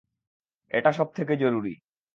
এটা সবথেকে জরুরি।